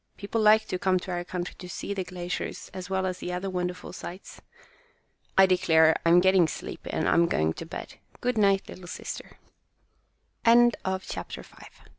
People like to come to our country to see the glaciers as well as the other wonderful sights. I declare, I'm getting sleepy and I am going to bed. Good night, little sister." CHAPTER VI.